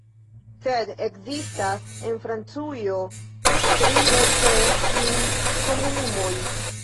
Sed ekzistas en Francujo tridekses mil komunumoj.